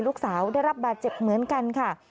ลูกสาวได้รับบาดเจ็บเหมือนกันค่ะ